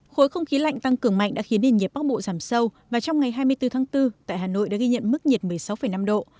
khối không khí lạnh tăng cường mạnh đã khiến nền nhiệt bắc bộ giảm sâu và trong ngày hai mươi bốn tháng bốn tại hà nội đã ghi nhận mức nhiệt một mươi sáu năm độ